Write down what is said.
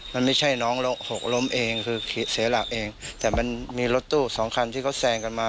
มันไม่ใช่น้องหกล้มเองคือเสียหลักเองแต่มันมีรถตู้สองคันที่เขาแซงกันมา